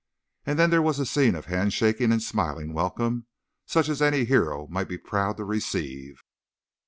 And then there was a scene of handshaking and smiling welcome such as any hero might be proud to receive.